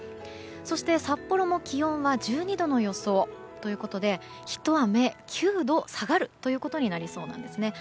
そして札幌も気温は１２度の予想ということで一雨９度下がるということになりそうなんですね。